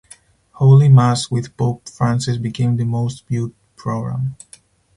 Holy Mass with Pope Francis became the most viewed program.